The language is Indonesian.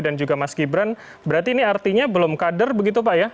dan juga mas kibran berarti ini artinya belum kader begitu pak ya